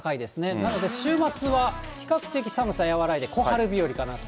なので、週末は比較的寒さ和らいで、小春日和かなと。